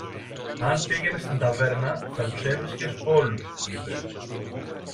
Αν πήγαινες στην ταβέρνα, θα τους έβρισκες όλους, είπε.